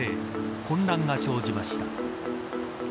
混乱が生じました。